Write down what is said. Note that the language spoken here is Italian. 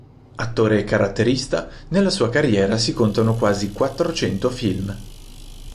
Attore caratterista, nella sua carriera si contano quasi quattrocento film.